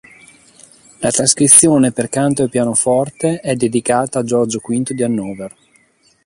La trascrizione per canto e pianoforte è dedicata a Giorgio V di Hannover.